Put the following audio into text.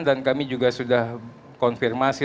dan kami juga sudah konfirmasi